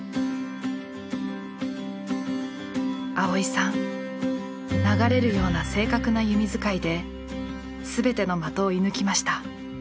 蒼依さん流れるような正確な弓づかいで全ての的を射ぬきました。